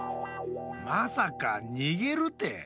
まさかにげるて！